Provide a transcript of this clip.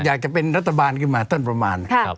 อยากจะเป็นรัฐบาลขึ้นมาต้นประมาณ